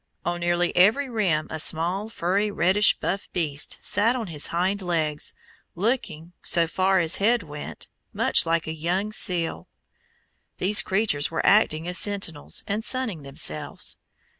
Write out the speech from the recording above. On nearly every rim a small furry reddish buff beast sat on his hind legs, looking, so far as head went, much like a young seal. These creatures were acting as sentinels, and sunning themselves.